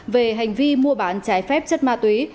về hành vi mua bán trái phép chất ma túy